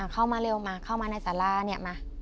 เข้ามาเร็วมาเข้ามาในสาราเนี่ยมา